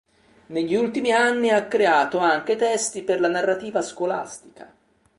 Negli ultimi anni ha creato anche testi per la narrativa scolastica.